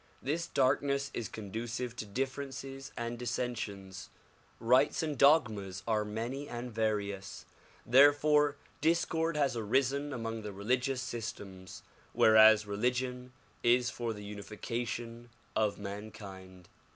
This darkness is conducive to differences and dissensions; rites and dogmas are many and various ; therefore discord has arisen among the religious systems whereas religion is for the uni fication of mankind.